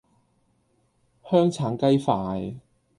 香橙雞塊